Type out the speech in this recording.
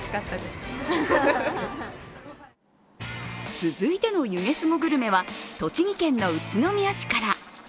続いての湯気すごグルメは栃木県の宇都宮市から。